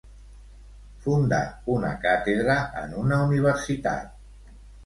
Fundar una càtedra en una universitat.